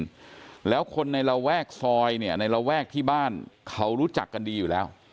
แล้วคนในระแวกซอยเนี่ยในระแวกที่บ้านเขารู้จักกันดีอยู่แล้ว